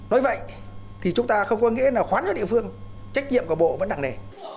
nói vậy thì chúng ta không có nghĩa là khoán ở địa phương trách nhiệm của bộ vẫn nặng nề